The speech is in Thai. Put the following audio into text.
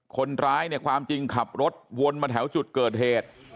คนร้ายเนี่ยความจริงขับรถวนมาแถวจุดเกิดเหตุ